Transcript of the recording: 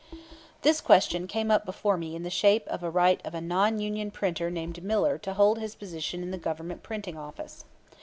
This question came up before me in the shape of the right of a non union printer named Miller to hold his position in the Government Printing Office.